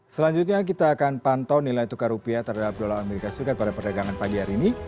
selanjutnya kita akan pantau nilai tukar rupiah terhadap dolar as pada perdagangan pagi hari ini